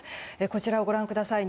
こちらをご覧ください。